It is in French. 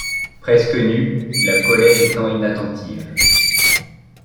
Presque nu, la colère étant inattentive ;